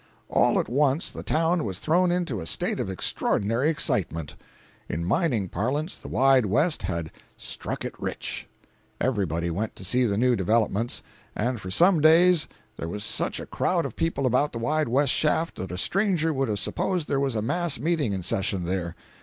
All at once the town was thrown into a state of extraordinary excitement. In mining parlance the Wide West had "struck it rich!" Everybody went to see the new developments, and for some days there was such a crowd of people about the Wide West shaft that a stranger would have supposed there was a mass meeting in session there.